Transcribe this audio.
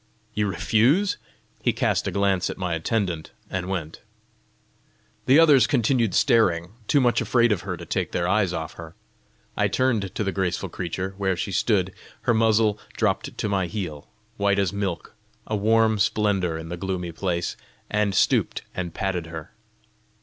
"You refuse?" He cast a glance at my attendant, and went. The others continued staring too much afraid of her to take their eyes off her. I turned to the graceful creature, where she stood, her muzzle dropped to my heel, white as milk, a warm splendour in the gloomy place, and stooped and patted her.